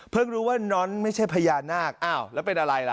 รู้ว่าน้อนไม่ใช่พญานาคอ้าวแล้วเป็นอะไรล่ะ